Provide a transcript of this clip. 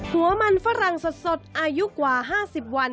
หัวมันฝรั่งสดอายุกว่า๕๐วัน